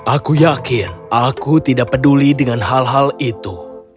aku yakin aku tidak peduli dengan hal hal itu